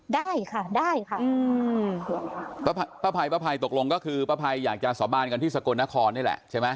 ได้ค่ะได้ค่ะอืมป้าภัยป้าภัยตกลงก็คือป้าภัยอยากจะสาบานกันที่สกลนครนี่แหละใช่ไหม